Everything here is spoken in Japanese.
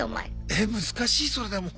え難しいそれでも。